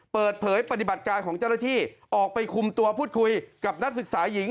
ปฏิบัติการของเจ้าหน้าที่ออกไปคุมตัวพูดคุยกับนักศึกษาหญิง